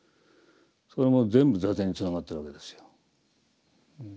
それも全部坐禅につながってるわけですよ。